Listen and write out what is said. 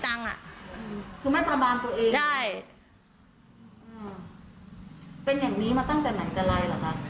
ตั้งแต่ไหนจะไล่หรือเปล่า